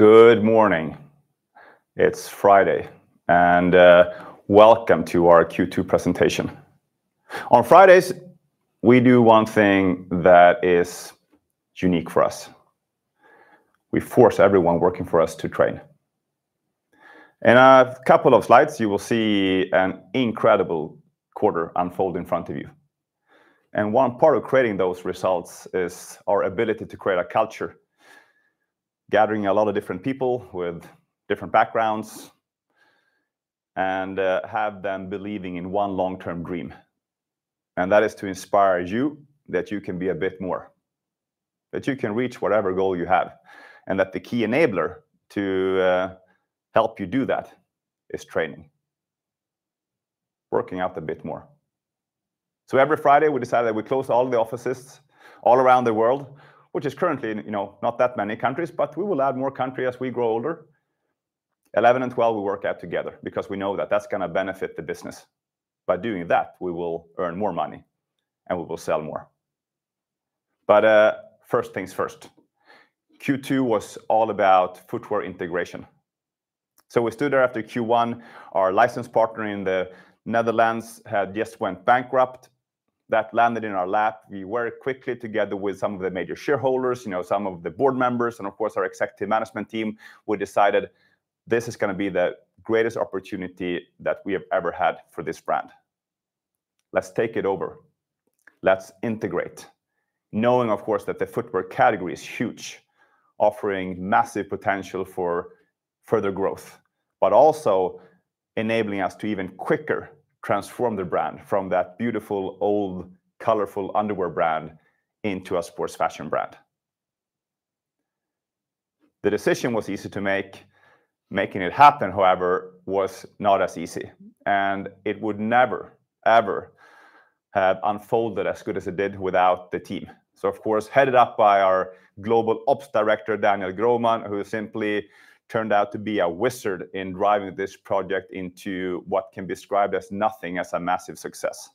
Good morning. It's Friday, and welcome to our Q2 presentation. On Fridays, we do one thing that is unique for us: we force everyone working for us to train. In a couple of slides, you will see an incredible quarter unfold in front of you, and one part of creating those results is our ability to create a culture, gathering a lot of different people with different backgrounds, and have them believing in one long-term dream. That is to inspire you that you can be a bit more, that you can reach whatever goal you have, and that the key enabler to help you do that is training, working out a bit more. So every Friday, we decide that we close all the offices all around the world, which is currently, you know, not that many countries, but we will add more country as we grow older. 11 and 12, we work out together because we know that that's gonna benefit the business. By doing that, we will earn more money, and we will sell more. But first things first, Q2 was all about footwear integration. So we stood there after Q1. Our license partner in the Netherlands had just went bankrupt. That landed in our lap. We worked quickly together with some of the major shareholders, you know, some of the Board members, and of course, our Executive Management team. We decided this is gonna be the greatest opportunity that we have ever had for this brand. Let's take it over. Let's integrate, knowing, of course, that the footwear category is huge, offering massive potential for further growth, but also enabling us to even quicker transform the brand from that beautiful, old, colorful underwear brand into a sports fashion brand. The decision was easy to make. Making it happen, however, was not as easy, and it would never, ever have unfolded as good as it did without the team. So of course, headed up by our Global Ops Director, Daniel Grohman, who simply turned out to be a wizard in driving this project into what can be described as nothing as a massive success.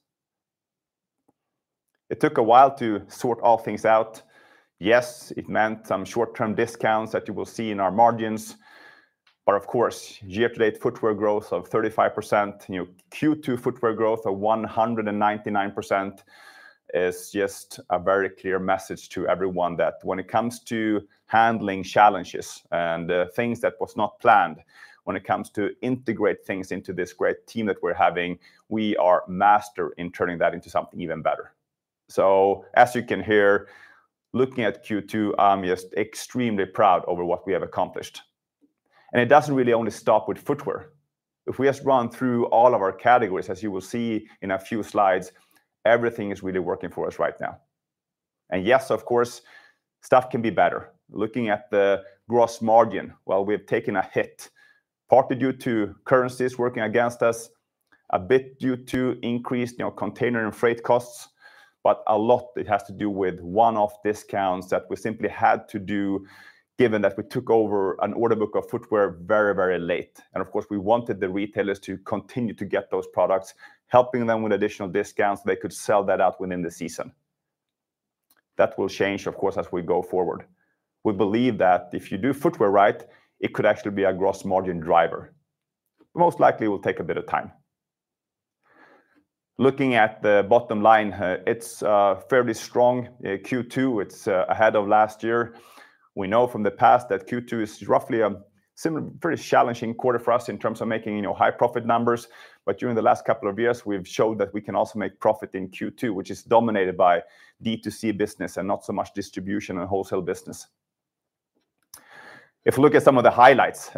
It took a while to sort all things out. Yes, it meant some short-term discounts that you will see in our margins, but of course, year-to-date footwear growth of 35%, you know, Q2 footwear growth of 199% is just a very clear message to everyone that when it comes to handling challenges and things that was not planned, when it comes to integrate things into this great team that we're having, we are master in turning that into something even better. So as you can hear, looking at Q2, I'm just extremely proud over what we have accomplished, and it doesn't really only stop with footwear. If we just run through all of our categories, as you will see in a few slides, everything is really working for us right now. Yes, of course, stuff can be better. Looking at the gross margin, while we have taken a hit, partly due to currencies working against us, a bit due to increased, you know, container and freight costs, but a lot it has to do with one-off discounts that we simply had to do, given that we took over an order book of footwear very, very late. And of course, we wanted the retailers to continue to get those products, helping them with additional discounts, they could sell that out within the season. That will change, of course, as we go forward. We believe that if you do footwear right, it could actually be a gross margin driver. Most likely, it will take a bit of time. Looking at the bottom line, it's a fairly strong Q2. It's ahead of last year. We know from the past that Q2 is roughly a pretty challenging quarter for us in terms of making, you know, high profit numbers. But during the last couple of years, we've showed that we can also make profit in Q2, which is dominated by D2C business and not so much distribution and wholesale business. If you look at some of the highlights,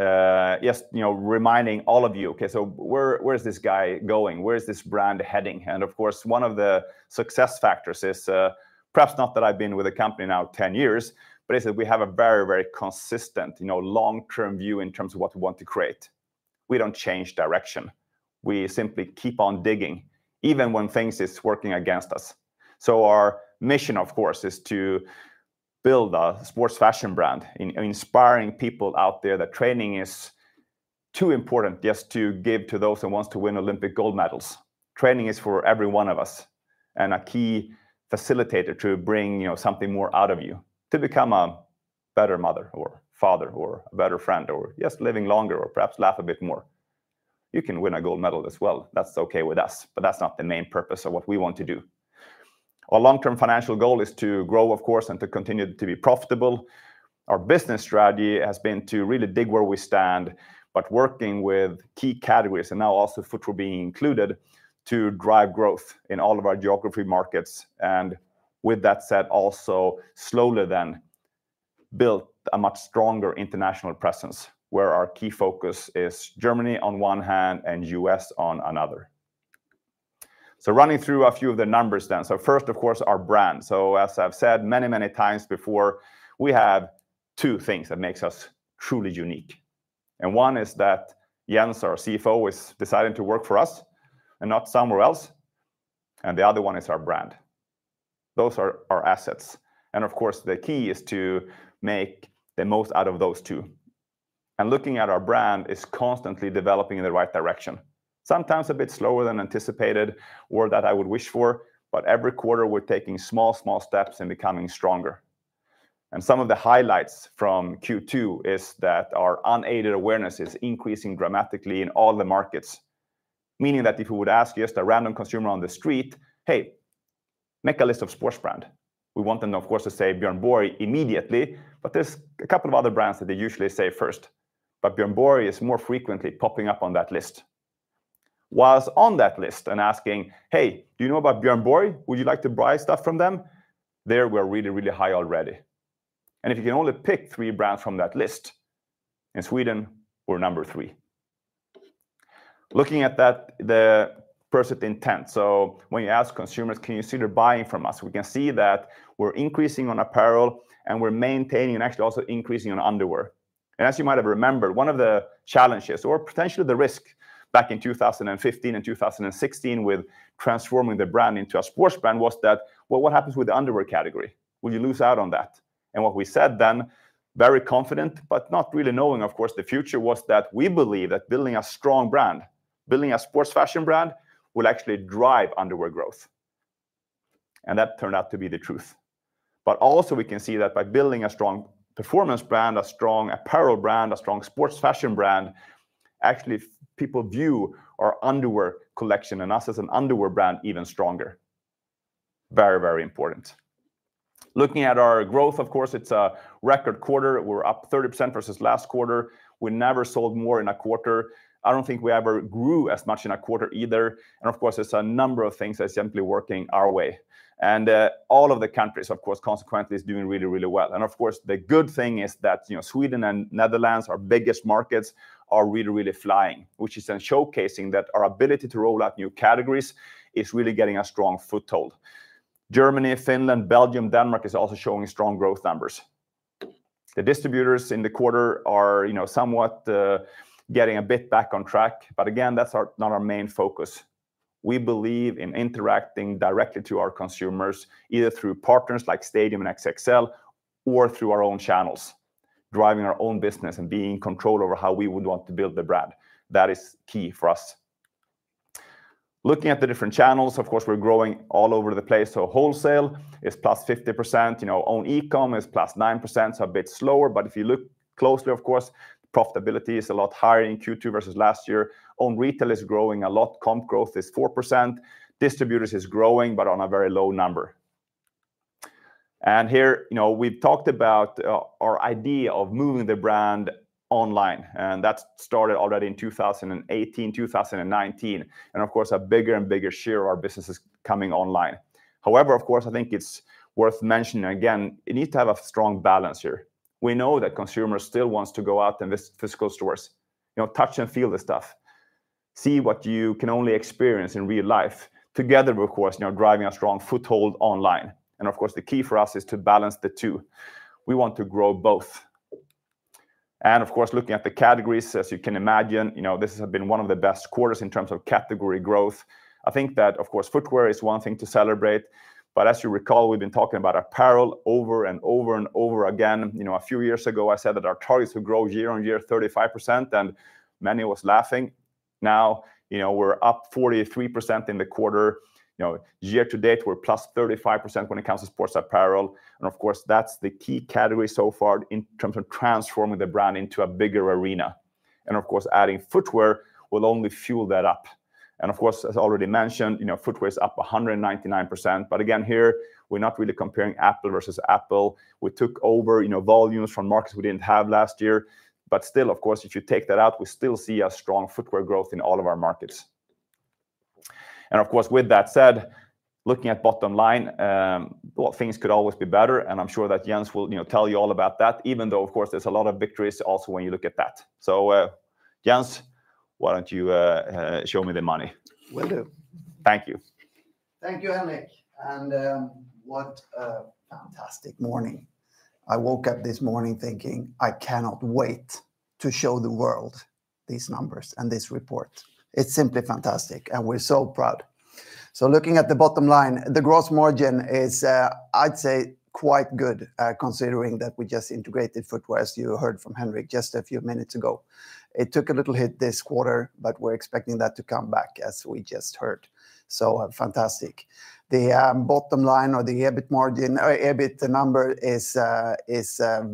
just, you know, reminding all of you, okay, so where is this guy going? Where is this brand heading? And of course, one of the success factors is, perhaps not that I've been with the company now 10 years, but is that we have a very, very consistent, you know, long-term view in terms of what we want to create. We don't change direction. We simply keep on digging, even when things is working against us. So our mission, of course, is to build a sports fashion brand inspiring people out there that training is too important just to give to those who wants to win Olympic gold medals. Training is for every one of us and a key facilitator to bring, you know, something more out of you, to become a better mother or father or a better friend or just living longer or perhaps laugh a bit more. You can win a gold medal as well. That's okay with us, but that's not the main purpose of what we want to do. Our long-term financial goal is to grow, of course, and to continue to be profitable. Our business strategy has been to really dig where we stand, but working with key categories, and now also footwear being included, to drive growth in all of our geographic markets. And with that said, also, slowly then build a much stronger international presence, where our key focus is Germany on one hand and US on another. So running through a few of the numbers then. So first, of course, our brand. So as I've said many, many times before, we have two things that makes us truly unique. And one is that Jens, our CFO, is deciding to work for us and not somewhere else, and the other one is our brand. Those are our assets, and of course, the key is to make the most out of those two.... And looking at our brand, it's constantly developing in the right direction. Sometimes a bit slower than anticipated, or that I would wish for, but every quarter we're taking small, small steps and becoming stronger. And some of the highlights from Q2 is that our unaided awareness is increasing dramatically in all the markets, meaning that if we would ask just a random consumer on the street, "Hey, make a list of sports brand." We want them, of course, to say Björn Borg immediately, but there's a couple of other brands that they usually say first. But Björn Borg is more frequently popping up on that list. Whilst on that list and asking, "Hey, do you know about Björn Borg? Would you like to buy stuff from them?" There we're really, really high already. And if you can only pick three brands from that list, in Sweden, we're number three. Looking at that, the purchase intent, so when you ask consumers, "Can you see them buying from us?" We can see that we're increasing on apparel, and we're maintaining, and actually also increasing on underwear. And as you might have remembered, one of the challenges or potentially the risk back in 2015 and 2016 with transforming the brand into a sports brand, was that, well, what happens with the underwear category? Will you lose out on that? And what we said then, very confident, but not really knowing, of course, the future, was that we believe that building a strong brand, building a sports fashion brand, will actually drive underwear growth, and that turned out to be the truth. But also we can see that by building a strong performance brand, a strong apparel brand, a strong sports fashion brand, actually, people view our underwear collection and us as an underwear brand, even stronger. Very, very important. Looking at our growth, of course, it's a record quarter. We're up 30% versus last quarter. We never sold more in a quarter. I don't think we ever grew as much in a quarter either, and of course, there's a number of things that are simply working our way. And, all of the countries, of course, consequently, is doing really, really well. And of course, the good thing is that, you know, Sweden and Netherlands, our biggest markets, are really, really flying, which is then showcasing that our ability to roll out new categories is really getting a strong foothold. Germany, Finland, Belgium, Denmark, is also showing strong growth numbers. The distributors in the quarter are, you know, somewhat, getting a bit back on track, but again, that's our... Not our main focus. We believe in interacting directly to our consumers, either through partners like Stadium and XXL, or through our own channels, driving our own business and being in control over how we would want to build the brand. That is key for us. Looking at the different channels, of course, we're growing all over the place, so wholesale is +50%. You know, own e-com is +9%, so a bit slower, but if you look closely, of course, profitability is a lot higher in Q2 versus last year. Own retail is growing a lot. Comp growth is 4%. Distributors is growing, but on a very low number. And here, you know, we've talked about our idea of moving the brand online, and that started already in 2018, 2019, and of course, a bigger and bigger share of our business is coming online. However, of course, I think it's worth mentioning, again, you need to have a strong balance here. We know that consumers still want to go out in the physical stores, you know, touch and feel the stuff, see what you can only experience in real life. Together, of course, you know, driving a strong foothold online. Of course, the key for us is to balance the two. We want to grow both. Of course, looking at the categories, as you can imagine, you know, this has been one of the best quarters in terms of category growth. I think that, of course, footwear is one thing to celebrate, but as you recall, we've been talking about apparel over, and over, and over again. You know, a few years ago, I said that our target is to grow year-on-year 35%, and many were laughing. Now, you know, we're up 43% in the quarter. You know, year-to-date, we're +35% when it comes to sports apparel, and of course, that's the key category so far in terms of transforming the brand into a bigger arena. Of course, adding footwear will only fuel that up. Of course, as already mentioned, you know, footwear is up +199%, but again, here, we're not really comparing apple versus apple. We took over, you know, volumes from markets we didn't have last year, but still, of course, if you take that out, we still see a strong footwear growth in all of our markets. Of course, with that said, looking at bottom line, well, things could always be better, and I'm sure that Jens will, you know, tell you all about that, even though, of course, there's a lot of victories also when you look at that. So, Jens, why don't you show me the money? Will do. Thank you. Thank you, Henrik, and what a fantastic morning. I woke up this morning thinking, "I cannot wait to show the world these numbers and this report." It's simply fantastic, and we're so proud. So looking at the bottom line, the gross margin is, I'd say quite good, considering that we just integrated footwear, as you heard from Henrik just a few minutes ago. It took a little hit this quarter, but we're expecting that to come back, as we just heard, so, fantastic. The bottom line or the EBIT margin, or EBIT number is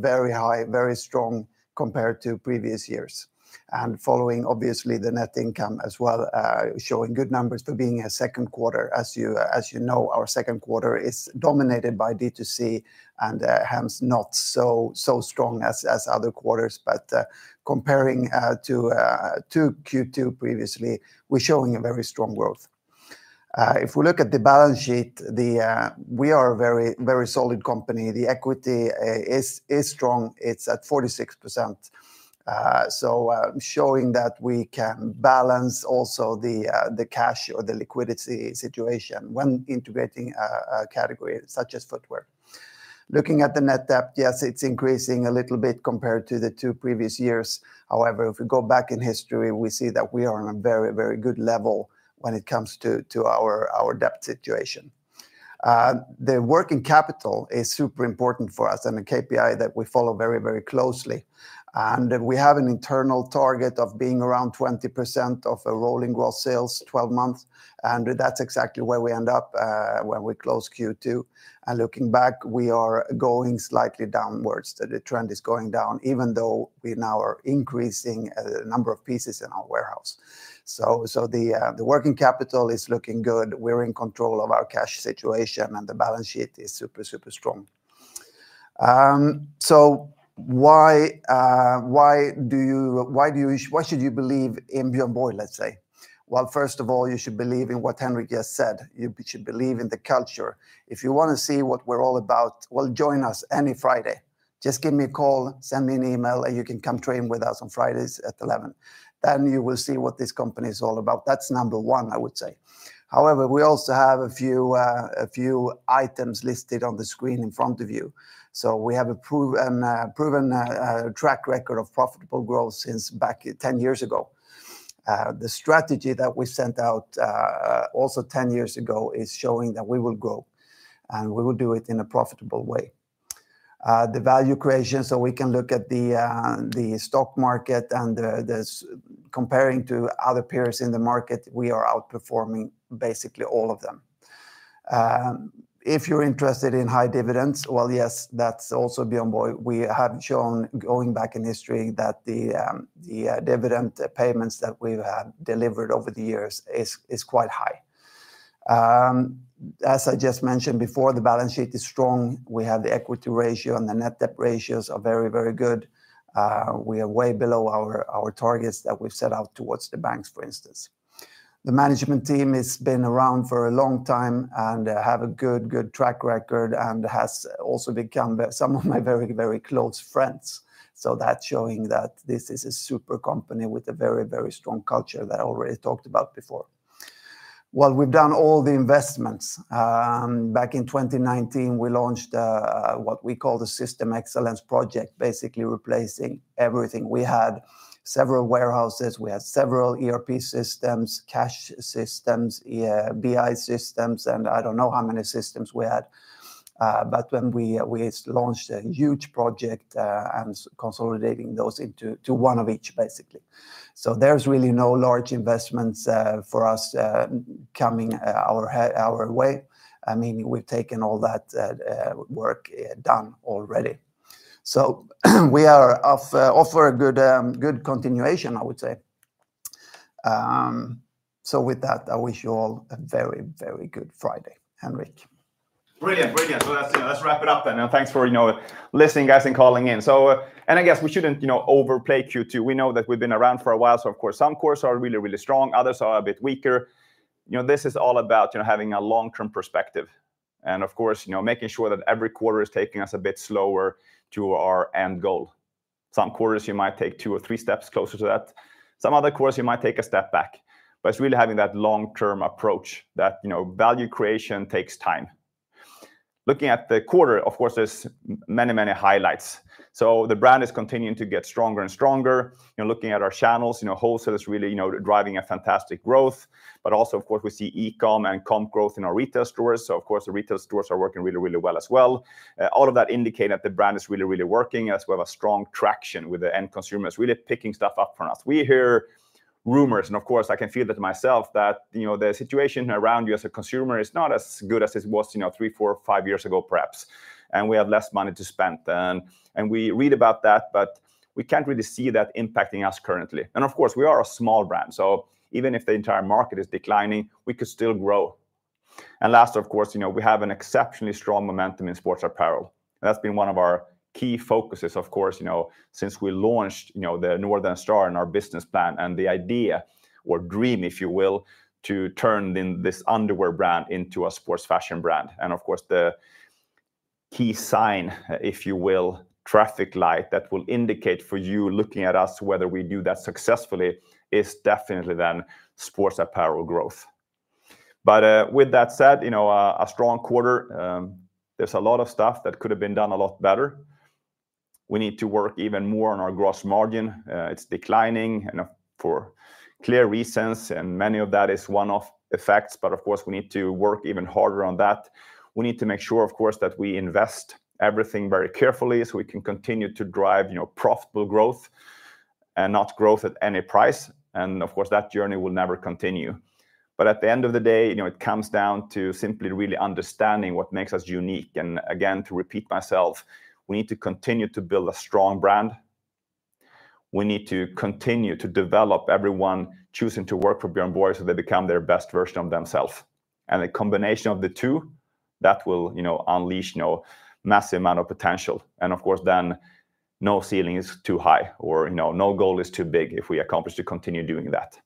very high, very strong compared to previous years. And following, obviously, the net income as well, showing good numbers for being a second quarter. As you know, our second quarter is dominated by D2C, and hence not so strong as other quarters, but comparing to Q2 previously, we're showing a very strong growth. If we look at the balance sheet, we are a very solid company. The equity is strong. It's at 46%, showing that we can balance also the cash or the liquidity situation when integrating a category such as footwear. Looking at the net debt, yes, it's increasing a little bit compared to the two previous years. However, if we go back in history, we see that we are on a very good level when it comes to our debt situation. The working capital is super important for us, and a KPI that we follow very, very closely. We have an internal target of being around 20% of the rolling gross sales, 12 months, and that's exactly where we end up when we close Q2. Looking back, we are going slightly downwards. The trend is going down, even though we now are increasing the number of pieces in our warehouse. So the working capital is looking good. We're in control of our cash situation, and the balance sheet is super, super strong. So why should you believe in Björn Borg, let's say? Well, first of all, you should believe in what Henrik just said. You should believe in the culture. If you wanna see what we're all about, well, join us any Friday. Just give me a call, send me an email, and you can come train with us on Fridays at 11:00 A.M. Then you will see what this company is all about. That's number one, I would say. However, we also have a few items listed on the screen in front of you. So we have a proven track record of profitable growth since back 10 years ago. The strategy that we sent out also 10 years ago is showing that we will grow, and we will do it in a profitable way. The value creation, so we can look at the stock market, comparing to other peers in the market, we are outperforming basically all of them. If you're interested in high dividends, well, yes, that's also Björn Borg. We have shown, going back in history, that the dividend payments that we have delivered over the years is quite high. As I just mentioned before, the balance sheet is strong. We have the equity ratio, and the net debt ratios are very, very good. We are way below our targets that we've set out towards the banks, for instance. The management team has been around for a long time and have a good track record, and has also become some of my very, very close friends. So that's showing that this is a super company with a very, very strong culture that I already talked about before. Well, we've done all the investments. Back in 2019, we launched what we call the System Excellence Project, basically replacing everything. We had several warehouses, we had several ERP systems, cash systems, BI systems, and I don't know how many systems we had. But when we launched a huge project and consolidating those into one of each, basically. So there's really no large investments for us coming our way. I mean, we've taken all that work done already. So we are off for a good continuation, I would say. So with that, I wish you all a very good Friday. Henrik? Brilliant, brilliant. So let's, let's wrap it up then, and thanks for, you know, listening, guys, and calling in. So, and I guess we shouldn't, you know, overplay Q2. We know that we've been around for a while, so of course, some quarters are really, really strong, others are a bit weaker. You know, this is all about, you know, having a long-term perspective, and of course, you know, making sure that every quarter is taking us a bit slower to our end goal. Some quarters, you might take two or three steps closer to that. Some other quarters, you might take a step back. But it's really having that long-term approach, that, you know, value creation takes time. Looking at the quarter, of course, there's many, many highlights. So the brand is continuing to get stronger and stronger. You know, looking at our channels, you know, wholesale is really, you know, driving a fantastic growth. But also, of course, we see e-com and comp growth in our retail stores, so of course the retail stores are working really, really well as well. All of that indicate that the brand is really, really working, as we have a strong traction with the end consumers, really picking stuff up for us. We hear rumors, and of course, I can feel that myself, that, you know, the situation around you as a consumer is not as good as it was, you know, three, four, five years ago, perhaps, and we have less money to spend. And we read about that, but we can't really see that impacting us currently. And of course, we are a small brand, so even if the entire market is declining, we could still grow. And last, of course, you know, we have an exceptionally strong momentum in sports apparel, and that's been one of our key focuses, of course, you know, since we launched, you know, the Northern Star in our business plan, and the idea, or dream, if you will, to turn then this underwear brand into a sports fashion brand. And of course, the key sign, if you will, traffic light, that will indicate for you, looking at us, whether we do that successfully, is definitely then sports apparel growth. But, with that said, you know, a strong quarter, there's a lot of stuff that could have been done a lot better. We need to work even more on our gross margin. It's declining, and for clear reasons, and many of that is one-off effects, but of course, we need to work even harder on that. We need to make sure, of course, that we invest everything very carefully so we can continue to drive, you know, profitable growth and not growth at any price. And of course, that journey will never continue. But at the end of the day, you know, it comes down to simply really understanding what makes us unique. And again, to repeat myself, we need to continue to build a strong brand. We need to continue to develop everyone choosing to work for Björn Borg, so they become their best version of themselves. And the combination of the two, that will, you know, unleash, you know, massive amount of potential. And of course, then no ceiling is too high or, you know, no goal is too big if we accomplish to continue doing that.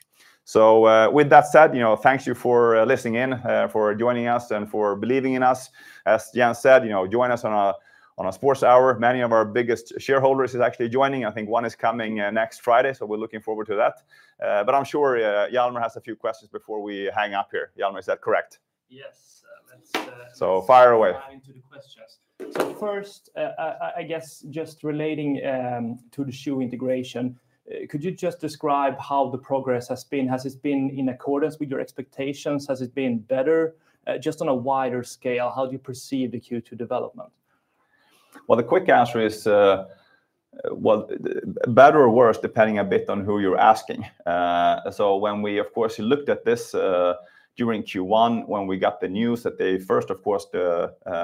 So, with that said, you know, thank you for listening in, for joining us, and for believing in us. As Jen said, you know, join us on a, on a sports hour. Many of our biggest shareholders is actually joining. I think one is coming, next Friday, so we're looking forward to that. But I'm sure, Hjalmar has a few questions before we hang up here. Hjalmar, is that correct? Yes, let's. Fire away. So first, I guess just relating to the footwear integration, could you just describe how the progress has been? Has it been in accordance with your expectations? Has it been better? Just on a wider scale, how do you perceive the Q2 development? Well, the quick answer is, better or worse, depending a bit on who you're asking. So when we, of course, looked at this, during Q1, when we got the news that they first, of course,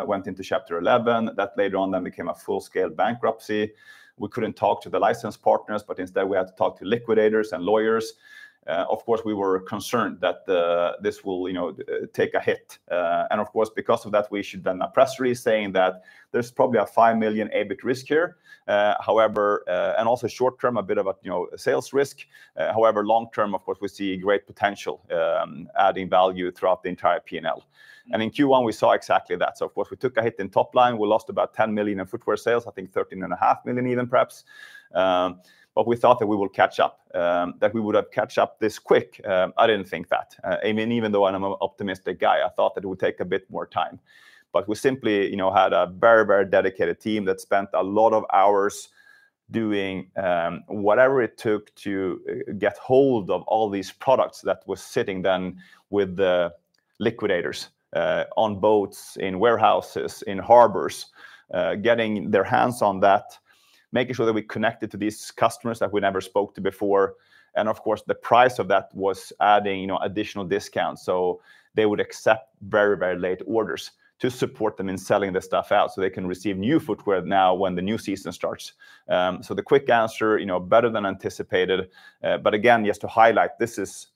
went into Chapter 11, that later on then became a full-scale bankruptcy. We couldn't talk to the licensed partners, but instead, we had to talk to liquidators and lawyers. Of course, we were concerned that this will, you know, take a hit. And of course, because of that, we issued then a press release saying that there's probably a 5 million EBIT risk here. However, and also short term, a bit of a, you know, sales risk. However, long term, of course, we see great potential, adding value throughout the entire P&L. And in Q1, we saw exactly that. So of course, we took a hit in top line. We lost about 10 million in footwear sales, I think 13.5 million even, perhaps. But we thought that we will catch up. That we would have catch up this quick, I didn't think that. I mean, even though I'm an optimistic guy, I thought that it would take a bit more time. But we simply, you know, had a very, very dedicated team that spent a lot of hours doing, whatever it took to get hold of all these products that were sitting then with the liquidators, on boats, in warehouses, in harbors, getting their hands on that, making sure that we connected to these customers that we never spoke to before. And of course, the price of that was adding, you know, additional discounts, so they would accept very, very late orders to support them in selling this stuff out, so they can receive new footwear now when the new season starts. So the quick answer, you know, better than anticipated. But again, just to highlight, this is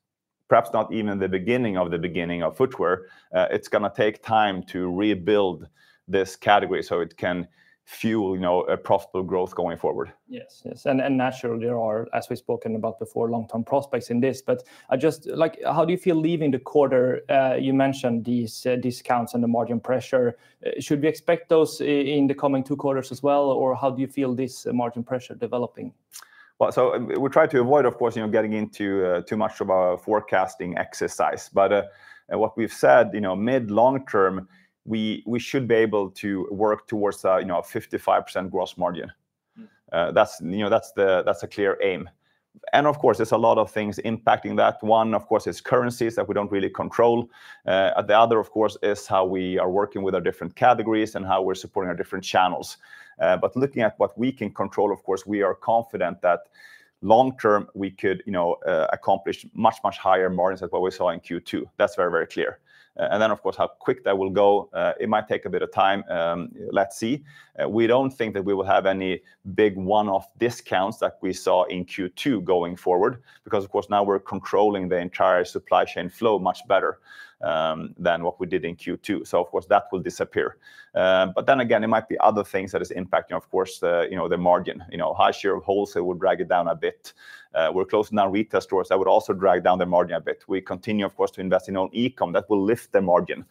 perhaps not even the beginning of the beginning of footwear. It's gonna take time to rebuild this category so it can fuel, you know, a profitable growth going forward. Yes, yes. And, and naturally, there are, as we've spoken about before, long-term prospects in this. But I just, like, how do you feel leaving the quarter? You mentioned these discounts and the margin pressure. Should we expect those in the coming two quarters as well, or how do you feel this margin pressure developing? Well, so, we try to avoid, of course, you know, getting into, you know, a forecasting exercise. But, what we've said, you know, mid long term, we, we should be able to work towards, you know, a 55% gross margin. That's, you know, a clear aim. And of course, there's a lot of things impacting that. One, of course, is currencies, that we don't really control. The other, of course, is how we are working with our different categories and how we're supporting our different channels. But looking at what we can control, of course, we are confident that long term, we could, you know, accomplish much, much higher margins than what we saw in Q2. That's very, very clear. And then, of course, how quick that will go, it might take a bit of time. Let's see. We don't think that we will have any big one-off discounts that we saw in Q2 going forward, because, of course, now we're controlling the entire supply chain flow much better, than what we did in Q2. So of course, that will disappear. But then again, it might be other things that is impacting, of course, the, you know, the margin. You know, high share of wholesale would drag it down a bit. We're closing our retail stores. That would also drag down the margin a bit. We continue, of course, to invest in on e-com. That will lift the margin.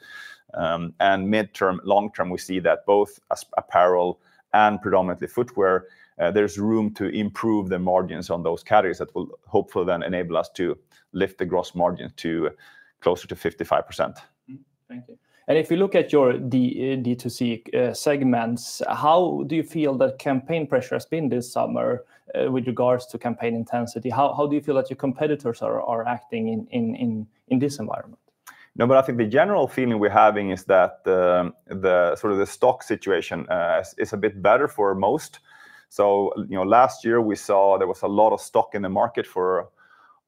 And midterm, long term, we see that both as apparel and predominantly footwear, there's room to improve the margins on those categories. That will hopefully then enable us to lift the gross margin to closer to 55%. Thank you. And if you look at your D2C segments, how do you feel the campaign pressure has been this summer with regards to campaign intensity? How do you feel that your competitors are acting in this environment? No, but I think the general feeling we're having is that sort of the stock situation is a bit better for most. So, you know, last year, we saw there was a lot of stock in the market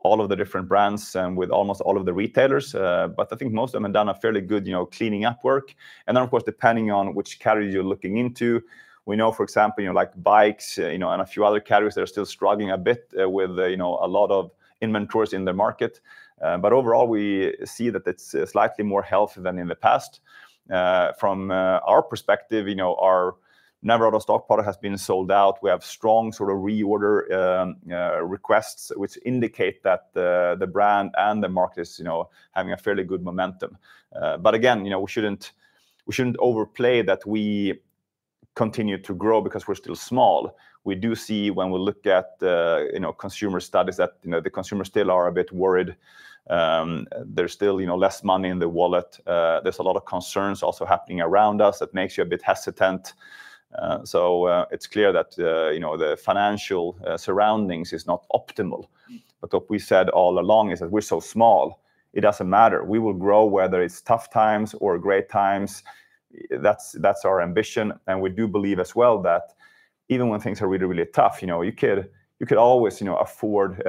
for all of the different brands and with almost all of the retailers. But I think most of them have done a fairly good, you know, cleaning up work, and then, of course, depending on which category you're looking into. We know, for example, you know, like bikes, you know, and a few other categories, they're still struggling a bit with a lot of inventories in the market. But overall, we see that it's slightly more healthy than in the past. From our perspective, you know, our NOS stock product has been sold out. We have strong sort of reorder requests, which indicate that the brand and the market is, you know, having a fairly good momentum. But again, you know, we shouldn't overplay that we continue to grow because we're still small. We do see when we look at, you know, consumer studies, that, you know, the consumers still are a bit worried. There's still, you know, less money in their wallet. There's a lot of concerns also happening around us that makes you a bit hesitant. So, it's clear that, you know, the financial surroundings is not optimal. But what we said all along is that we're so small, it doesn't matter. We will grow, whether it's tough times or great times. That's, that's our ambition, and we do believe as well that even when things are really, really tough, you know, you could, you could always, you know, afford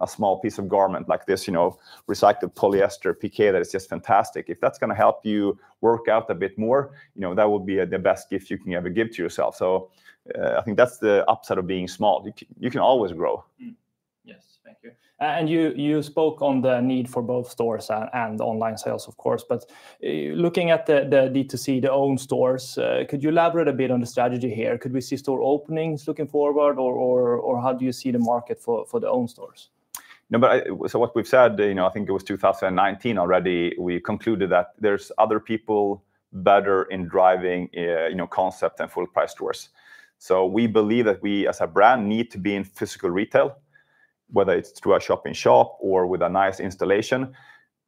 a small piece of garment like this, you know, recycled polyester piqué that is just fantastic. If that's gonna help you work out a bit more, you know, that would be the best gift you can ever give to yourself. So, I think that's the upside of being small. You can always grow. Yes, thank you. And you, you spoke on the need for both stores and online sales, of course, but looking at the D2C, the own stores, could you elaborate a bit on the strategy here? Could we see store openings looking forward, or how do you see the market for the own stores? No, but, so what we've said, you know, I think it was 2019 already, we concluded that there's other people better in driving, you know, concept and full-price stores. So we believe that we, as a brand, need to be in physical retail, whether it's through a shop-in-shop or with a nice installation.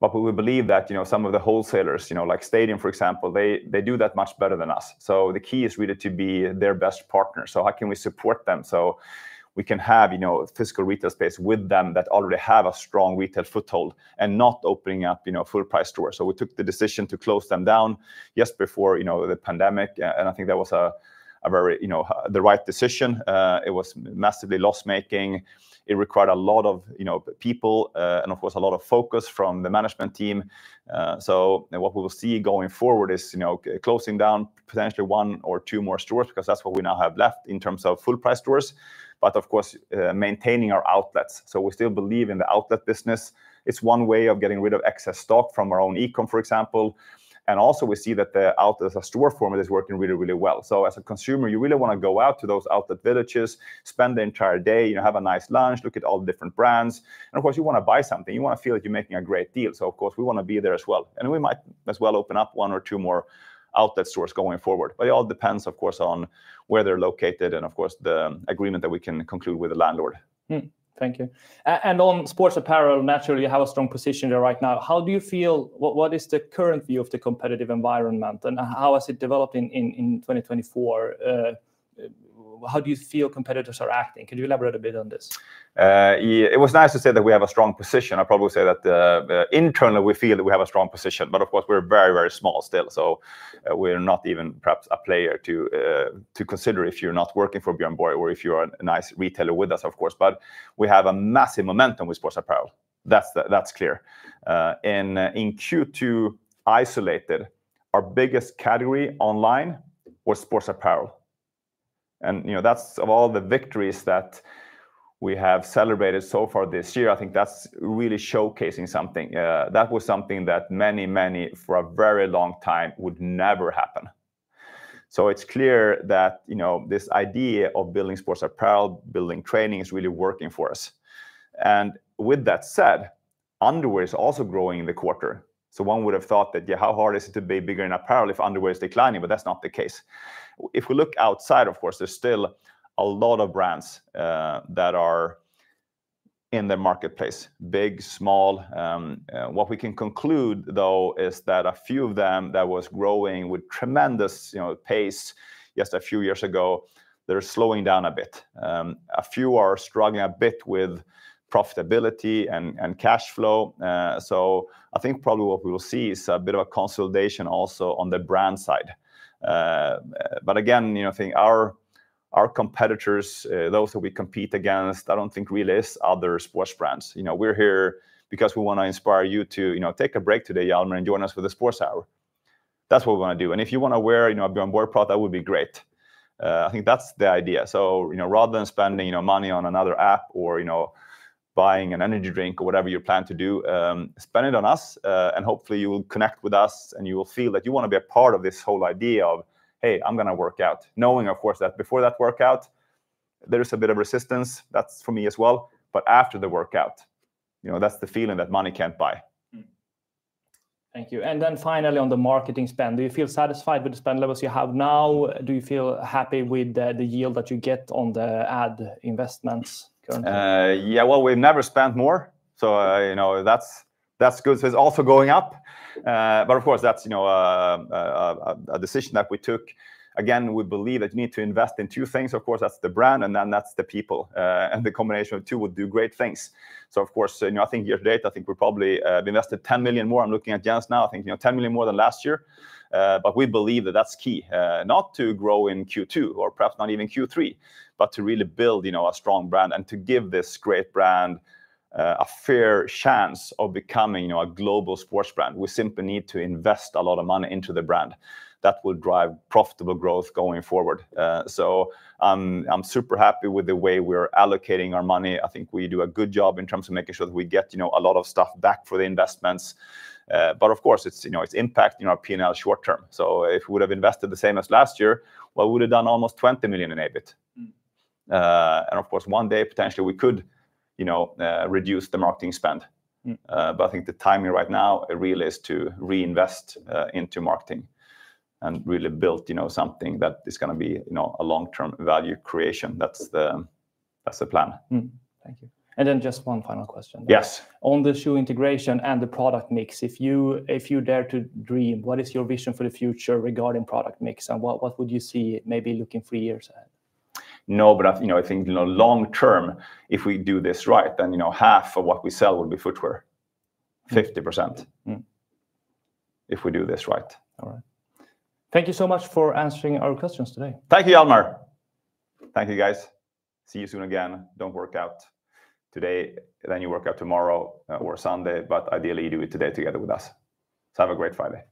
But we believe that, you know, some of the wholesalers, you know, like Stadium, for example, they, they do that much better than us. So the key is really to be their best partner. So how can we support them so we can have, you know, physical retail space with them that already have a strong retail foothold, and not opening up, you know, full-price stores? So we took the decision to close them down just before, you know, the pandemic, and I think that was a very, you know, the right decision. It was massively loss-making. It required a lot of, you know, people, and of course, a lot of focus from the management team. So what we will see going forward is, you know, closing down potentially one or two more stores, because that's what we now have left in terms of full-price stores, but of course, maintaining our outlets. So we still believe in the outlet business. It's one way of getting rid of excess stock from our own e-com, for example. And also, we see that the outlet as a store format is working really, really well. So as a consumer, you really wanna go out to those outlet villages, spend the entire day, you know, have a nice lunch, look at all the different brands, and of course, you wanna buy something. You wanna feel like you're making a great deal, so of course, we wanna be there as well. And we might as well open up one or two more outlet stores going forward. But it all depends, of course, on where they're located and of course, the agreement that we can conclude with the landlord. Thank you. And on sports apparel, naturally, you have a strong position there right now. How do you feel? What is the current view of the competitive environment, and how is it developing in 2024? How do you feel competitors are acting? Can you elaborate a bit on this? Yeah, it was nice to say that we have a strong position. I'd probably say that internally, we feel that we have a strong position, but of course, we're very, very small still, so we're not even perhaps a player to consider if you're not working for Björn Borg or if you're a nice retailer with us, of course. But we have a massive momentum with sports apparel. That's clear. And in Q2, isolated, our biggest category online was sports apparel, and, you know, that's of all the victories that we have celebrated so far this year, I think that's really showcasing something. That was something that many, many, for a very long time, would never happen. So it's clear that, you know, this idea of building sports apparel, building training, is really working for us. With that said, underwear is also growing in the quarter. So one would have thought that, "Yeah, how hard is it to be bigger in apparel if underwear is declining?" But that's not the case. If we look outside, of course, there's still a lot of brands that are in the marketplace, big, small. What we can conclude, though, is that a few of them that was growing with tremendous, you know, pace just a few years ago, they're slowing down a bit. A few are struggling a bit with profitability and cash flow. So I think probably what we will see is a bit of a consolidation also on the brand side. But again, you know, I think our competitors, those that we compete against, I don't think really is other sports brands. You know, we're here because we wanna inspire you to, you know, take a break today, Hjalmar, and join us for the sports hour. That's what we wanna do, and if you wanna wear, you know, a Björn Borg product, that would be great. I think that's the idea. So, you know, rather than spending, you know, money on another app or, you know, buying an energy drink or whatever you plan to do, spend it on us, and hopefully you will connect with us, and you will feel that you wanna be a part of this whole idea of, "Hey, I'm gonna work out," knowing, of course, that before that workout, there is a bit of resistance. That's for me as well. But after the workout, you know, that's the feeling that money can't buy. Thank you. And then finally, on the marketing spend, do you feel satisfied with the spend levels you have now? Do you feel happy with the yield that you get on the ad investments currently? Yeah, well, we've never spent more, so, you know, that's, that's good. So it's also going up, but of course, that's, you know, a decision that we took. Again, we believe that you need to invest in two things. Of course, that's the brand, and then that's the people, and the combination of two will do great things. So of course, you know, I think year to date, I think we've probably invested 10 million more. I'm looking at Jens now, I think, you know, 10 million more than last year. But we believe that that's key, not to grow in Q2 or perhaps not even Q3, but to really build, you know, a strong brand and to give this great brand a fair chance of becoming, you know, a global sports brand. We simply need to invest a lot of money into the brand. That will drive profitable growth going forward. So, I'm super happy with the way we're allocating our money. I think we do a good job in terms of making sure that we get, you know, a lot of stuff back for the investments. But of course, it's, you know, it's impacting our P&L short term. So if we would have invested the same as last year, well, we would have done almost 20 million in EBIT. Of course, one day, potentially, we could, you know, reduce the marketing spend. But I think the timing right now, really, is to reinvest into marketing and really build, you know, something that is gonna be, you know, a long-term value creation. That's the, that's the plan. Thank you. Then just one final question. Yes. On the footwear integration and the product mix, if you, if you dare to dream, what is your vision for the future regarding product mix, and what, what would you see maybe looking three years ahead? No, but you know, I think, you know, long term, if we do this right, then, you know, half of what we sell will be footwear. 50%. If we do this right. All right. Thank you so much for answering our questions today. Thank you, Hjalmar. Thank you, guys. See you soon again. Don't work out today, then you work out tomorrow or Sunday, but ideally, you do it today together with us. So have a great Friday.